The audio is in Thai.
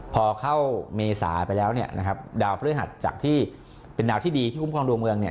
พอเข้าเมษาไปแล้วเนี่ยนะครับดาวพฤหัสจากที่เป็นดาวที่ดีที่คุ้มครองดวงเมืองเนี่ย